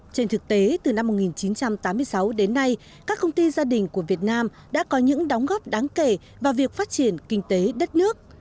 trên thực tế từ năm một nghìn chín trăm tám mươi sáu đến nay các công ty gia đình của việt nam đã có những đóng góp đáng kể vào việc phát triển kinh tế đất nước